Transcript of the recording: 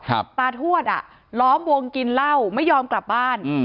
ตาทวดอ่ะล้อมวงกินเหล้าไม่ยอมกลับบ้านอืม